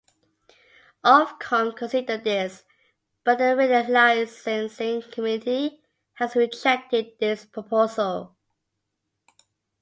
Ofcom considered this, but the Radio Licensing Committee has rejected this proposal.